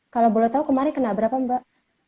kalau boleh tahu kemarin kena berapa mbak